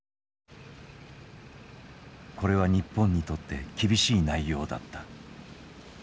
これは日本にとって厳しい内容だった。